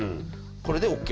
これでＯＫ？